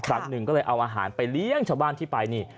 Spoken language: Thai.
ครั้งหนึ่งก็เลยเอาอาหารไปเลี้ยงชาวบ้านที่ไปนี่